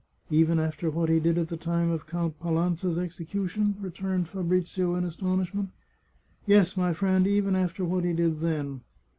" Even after what he did at the time of Count Palanza's execution ?" returned Fabrizio in astonishment. " Yes, my friend, even after what he did then.